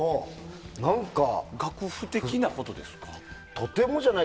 何か楽譜的なことですか？